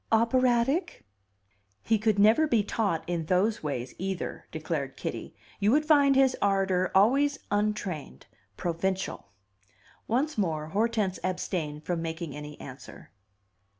"Operatic?" "He could never be taught in those ways either," declared Kitty. "You would find his ardor always untrained provincial." Once more Hortense abstained from making any answer.